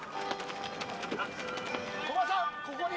鳥羽さん、ここに。